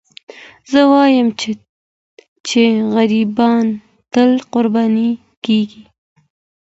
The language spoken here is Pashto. زه وایم چې غریبان تل قرباني کېږي.